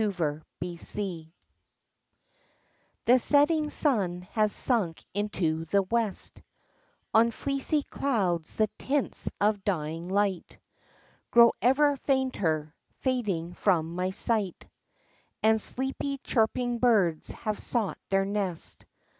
XV IN SUNSET THE setting sun has sunk into the west; On fleecy clouds the tints of dying light Grow ever fainter, fading from my sight, — And sleepy chirping birds have sought their nest.